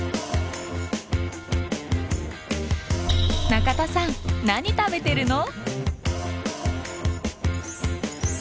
中田さん何食べてるの？